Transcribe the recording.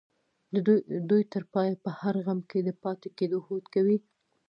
دوی تر پايه په هر غم کې د پاتې کېدو هوډ کوي.